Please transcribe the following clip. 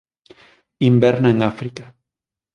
Inverna en África.